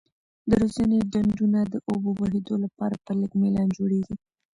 د روزنې ډنډونه د اوبو بهیدو لپاره په لږ میلان جوړیږي.